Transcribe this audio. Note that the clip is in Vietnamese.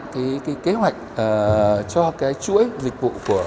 kế hoạch cho chuỗi dịch vụ